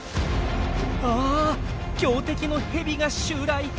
あっ強敵のヘビが襲来！